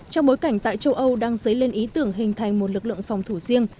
trong bối cảnh tại châu âu đang dấy lên ý tưởng hình thành một lực lượng phòng thủ riêng